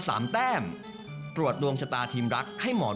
สวัสดีครับ